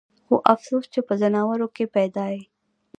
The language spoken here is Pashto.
خو افسوس چې پۀ ځناورو کښې پېدا ئې